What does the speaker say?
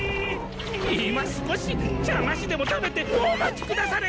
いま少し茶菓子でも食べてお待ちくだされ！